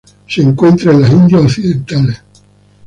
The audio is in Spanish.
Se encuentra en las Indias Occidentales.